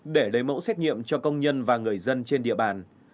để lấy mẫu xét nghiệm cho công nhân và người dân trên địa bàn